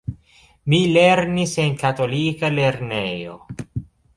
Mi lernis en katolika lernejo.